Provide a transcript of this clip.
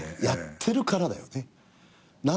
やってるからだよね。